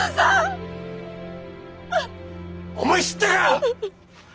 思い知ったか！